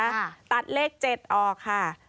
อย่างนี้นะคะตัดเลข๗เข้าออกค่ะ